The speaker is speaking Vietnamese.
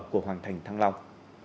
của hoàng thành thăng long